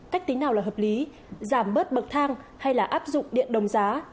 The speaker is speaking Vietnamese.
cách tính nào là hợp lý giảm bớt bậc thang hay là áp dụng điện đồng giá